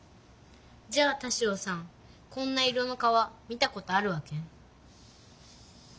じゃあ田代さんこんな色の川見たことあるわけ？